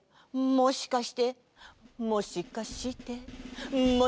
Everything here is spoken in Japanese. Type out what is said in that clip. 「もしかしてもしかして」